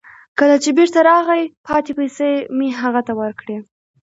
کله چې بیرته راغی، پاتې پیسې مې هغه ته ورکړې.